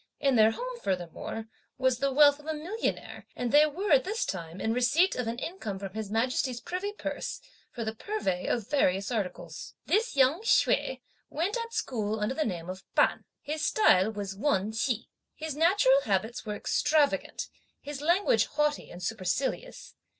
In their home, furthermore, was the wealth of a millionaire, and they were, at this time, in receipt of an income from His Majesty's privy purse, for the purvey of various articles. This young Hsüeh went at school under the name of P'an. His style was Wen Ch'i. His natural habits were extravagant; his language haughty and supercilious.